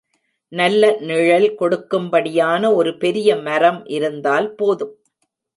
நல்ல நிழல் கொடுக்கும்படியான ஒரு பெரிய மரம் இருந்தால் போதும்.